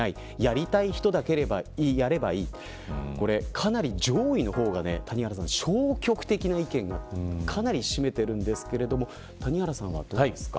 かなり上位の方が消極的な意見かなり占めているんですけど谷原さんはどうですか。